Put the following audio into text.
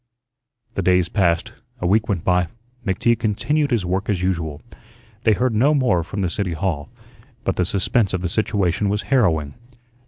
The days passed, a week went by, McTeague continued his work as usual. They heard no more from the City Hall, but the suspense of the situation was harrowing.